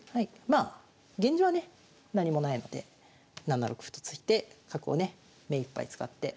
まあ現状はね何もないので７六歩と突いて角をね目いっぱい使って。